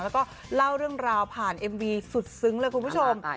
แล้วก็เล่าเรื่องราวผ่านเอ็มวีสุดซึ้งเลยคุณผู้ชม